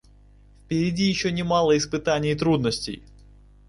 Впереди еще немало испытаний и трудностей.